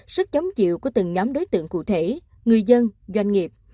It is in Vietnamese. sức chống chịu của từng nhóm đối tượng cụ thể người dân doanh nghiệp